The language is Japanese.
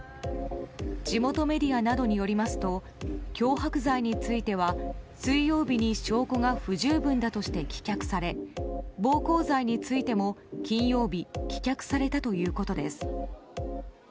地元メディアなどによりますと脅迫罪については水曜日に証拠が不十分だとして棄却され暴行罪についても金曜日棄却されたということです。